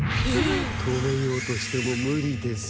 止めようとしてもムリです。